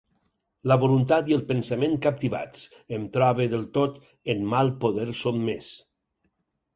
La voluntat i el pensament captivats, em trobe del tot en mal poder sotmès.